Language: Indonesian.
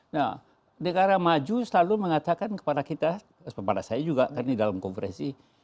nah negara maju selalu mengatakan kepada kita kepada saya juga kan di dalam konferensi